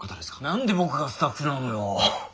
何で僕がスタッフなのよ。